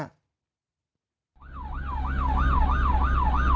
คุณผู้ชมครับไอ้หนุ่มพวกนี้มันนอนปาดรถพยาบาลครับ